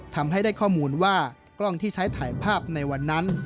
ทำให้ได้ข้อมูลว่ากล้องที่ใช้ถ่ายภาพในวันนั้น